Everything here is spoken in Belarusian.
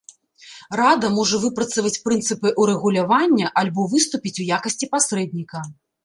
Рада можа выпрацаваць прынцыпы ўрэгулявання альбо выступіць у якасці пасрэдніка.